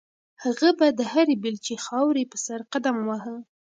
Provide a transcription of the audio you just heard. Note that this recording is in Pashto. هغه به د هرې بیلچې خاورې په سر قدم واهه.